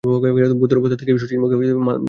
ভুতোর অবস্থা দেখিয়া শশীর মুখ মান হইয়া গেল।